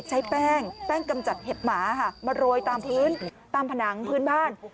ใช้แป้งแป้งกำจัดเห็บหมาค่ะมาโรยตามพื้นตามผนังพื้นบ้าน